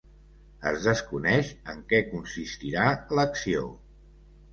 Es desconeix en què consistirà l’acció.